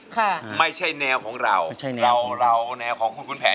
ค่ะไม่ใช่แนวของเราเราแนวของคุณคุณแผน